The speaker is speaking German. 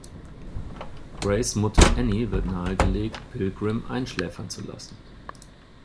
Grace’ Mutter Annie wird nahegelegt, Pilgrim einschläfern zu lassen.